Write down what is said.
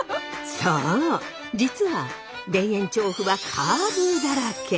そう実は田園調布はカーブだらけ。